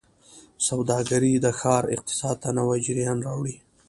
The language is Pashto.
سوداګرۍ د ښار اقتصاد ته نوي جریان راوړي.